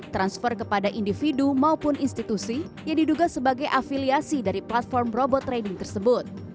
transfer kepada individu maupun institusi yang diduga sebagai afiliasi dari platform robot trading tersebut